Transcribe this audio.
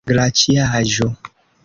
glaciaĵo